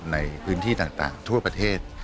ในพื้นที่ต่างทั่วประเทศ